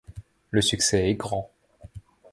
Le succès est grand.